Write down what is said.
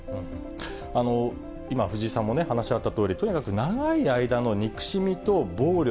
今、藤井さんもね、話あったとおり、とにかく長い間の憎しみと暴力、